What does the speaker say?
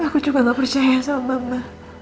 aku juga gak percaya sama mbak